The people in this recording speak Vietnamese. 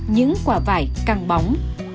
những quả vải căng bóng